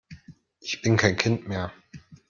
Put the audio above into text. Ich bin kein Kind mehr!